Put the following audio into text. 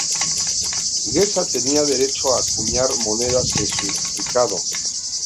Geza tenía derecho a acuñar monedas en su ducado.